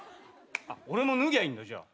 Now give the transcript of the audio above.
俺も脱ぎゃいいんだじゃあ。